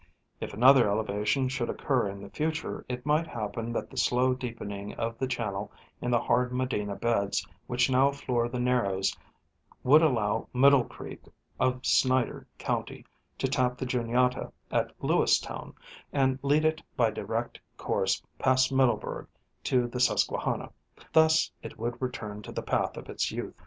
If another elevation should occur in the future, it might happen that the slow deepening of the channel in the hard Medina beds which now floor the Narrows would allow Middle creek of Snyder county to tap the Juniata at Lewistown and lead it by direct course past Middleburgh to the Susquehanna ; thus it would return to the path of its youth.